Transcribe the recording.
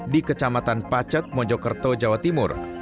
di kecamatan pacet mojokerto jawa timur